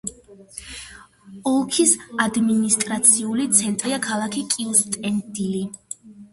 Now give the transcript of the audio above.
ოლქის ადმინისტრაციული ცენტრია ქალაქი კიუსტენდილი.